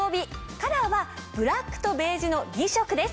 カラーはブラックとベージュの２色です。